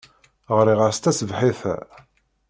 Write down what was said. Ɣriɣ-as taṣebḥit-a.